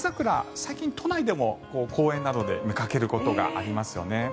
最近、都内でも公園などで見かけることがありますよね。